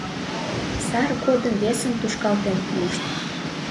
Сар годым весым тушкалтен пуышт.